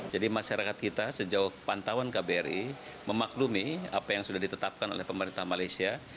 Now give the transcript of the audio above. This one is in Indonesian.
jadi masyarakat kita sejauh pantauan kbri memaklumi apa yang sudah ditetapkan oleh pemerintah malaysia